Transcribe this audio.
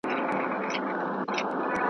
ده څو ځله تلاښ وکړ چي سپی ورک سي .